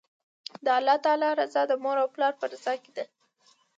د الله تعالی رضا، د مور او پلار په رضا کی ده